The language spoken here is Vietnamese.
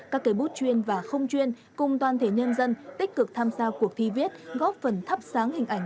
các cây bút chuyên và không chuyên cùng toàn thể nhân dân tích cực tham gia cuộc thi viết góp phần thắp sáng hình ảnh